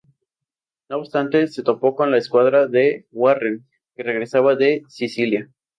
No obstante, se topó con la escuadra de Warren, que regresaba de Sicilia.